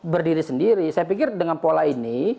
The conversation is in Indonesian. berdiri sendiri saya pikir dengan pola ini